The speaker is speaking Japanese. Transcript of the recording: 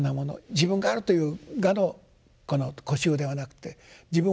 自分があるという我の固執ではなくて自分を解放する。